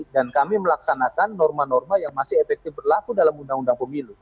dan kami melaksanakan norma norma yang masih efektif berlaku dalam undang undang pemilu